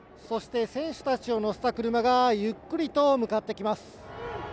そして選手たちを乗せた車がゆっくりと向かってきます。